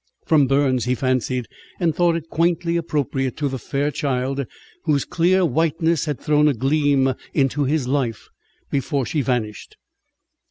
From Burns, he fancied; and thought it quaintly appropriate to the fair child whose clear whiteness had thrown a gleam into his life before she vanished.